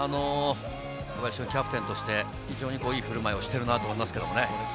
小林君もキャプテンとして、いい振る舞いをしてるなと思います。